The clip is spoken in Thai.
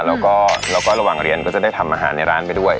แล้วก็ระหว่างเรียนก็จะได้ทำอาหารในร้านไปด้วย